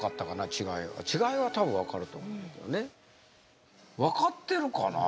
違い違いは多分わかると思うねんけどねわかってるかな？